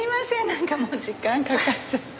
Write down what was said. なんかもう時間かかっちゃって。